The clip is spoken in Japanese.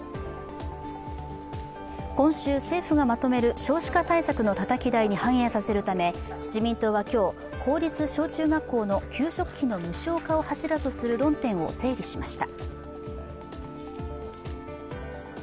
今週、政府がまとめる少子化対策のたたき台に反映させるため、自民党は今日、公立小中学校の給食費の無償化を柱とする論点を整理しました。